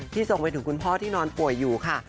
ส่งไปถึงคุณพ่อที่นอนป่วยอยู่ค่ะ